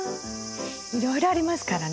いろいろありますからね。